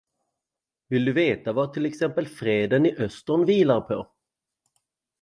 Vill du veta vad till exempel freden i Östern vilar på?